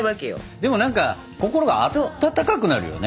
でも何か心が温かくなるよね。